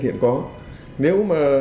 hiện có nếu mà